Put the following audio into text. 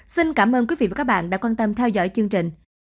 xin cảm ơn quý vị và các bạn đã quan tâm theo dõi chương trình